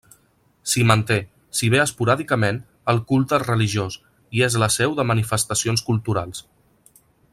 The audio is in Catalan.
S'hi manté, si bé esporàdicament, el culte religiós, i és la seu de manifestacions culturals.